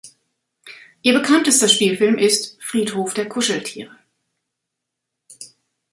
Ihr bekanntester Spielfilm ist "Friedhof der Kuscheltiere".